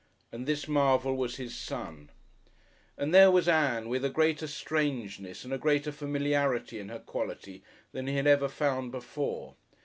And this marvel was his Son! And there was Ann, with a greater strangeness and a greater familiarity in her quality than he had ever found before.